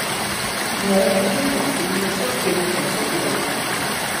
我喺中環聖若瑟徑盪失路